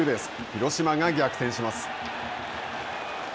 広島が逆転します。